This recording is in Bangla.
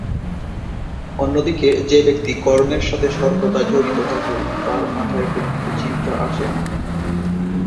অন্যদিকে যে ব্যক্তি কর্মের সাথে সর্বদা জড়িত থাকে তার মাথায় কোনো কুচিন্তা আসে না।